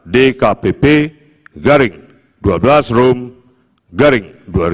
dpp garis datar dua belas rom garing dua ribu dua puluh tiga